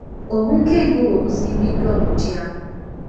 Obunkenke obwo buzimbiddwa butya?